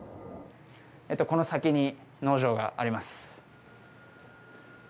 この先に農場があります。